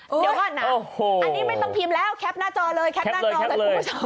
เดี๋ยวก่อนนะอันนี้ไม่ต้องพิมพ์แล้วแคปหน้าจอเลยแคปหน้าจอเลยคุณผู้ชม